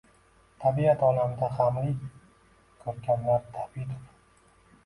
Tabiat olamida gʻamli koʻrkamlar tabiiydur